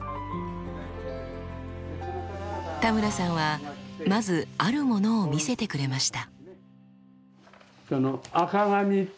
田村さんはまずあるものを見せてくれました。